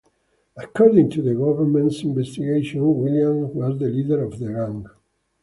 According to the government's investigations, Williams was the leader of the gang.